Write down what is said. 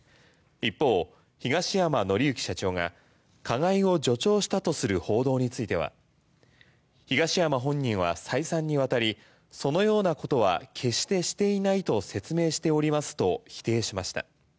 一方、東山紀之社長が加害を助長したとする報道については東山本人は再三にわたりそのようなことは決してしていないと説明しておりますと否定しました。